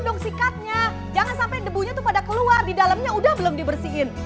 di dalamnya udah belum dibersihin